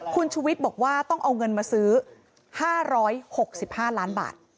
คุณชุวิตบอกว่าต้องเอาเงินมาซื้อ๕๖๕ล้านบาท